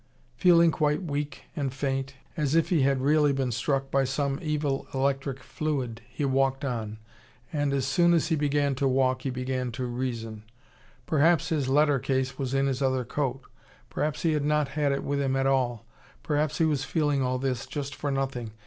Feeling quite weak and faint, as if he had really been struck by some evil electric fluid, he walked on. And as soon as he began to walk, he began to reason. Perhaps his letter case was in his other coat. Perhaps he had not had it with him at all. Perhaps he was feeling all this, just for nothing.